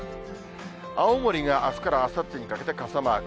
青森があすからあさってにかけて、傘マーク。